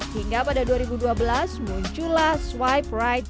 hingga pada dua ribu dua belas muncullah swipe right era